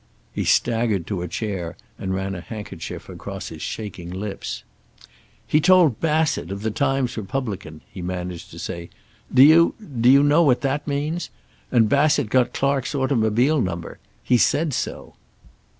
He staggered to a chair, and ran a handkerchief across his shaking lips. "He told Bassett, of the Times Republican," he managed to say. "Do you do you know what that means? And Bassett got Clark's automobile number. He said so."